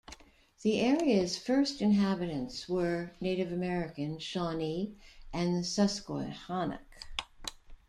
The area's first inhabitants were Native American Shawnee and the Susquehannock.